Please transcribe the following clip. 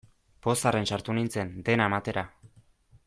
Pozarren sartu nintzen, dena ematera.